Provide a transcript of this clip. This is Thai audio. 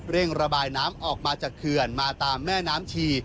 ระบายน้ำออกมาจากเขื่อนมาตามแม่น้ำชี